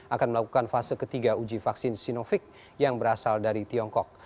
akan melakukan fase ketiga uji vaksin sinovic yang berasal dari tiongkok